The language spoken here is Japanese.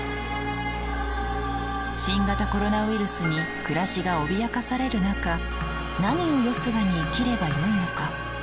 新型コロナウイルスに暮らしが脅かされる中何をよすがに生きればよいのか。